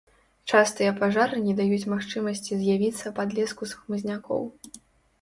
Частыя пажары не даюць магчымасці з'явіцца падлеску з хмызнякоў.